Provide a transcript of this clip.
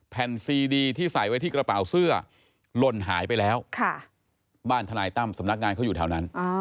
ซีดีที่ใส่ไว้ที่กระเป๋าเสื้อหล่นหายไปแล้วบ้านทนายตั้มสำนักงานเขาอยู่แถวนั้น